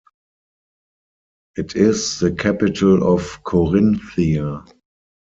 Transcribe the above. It is the capital of Corinthia.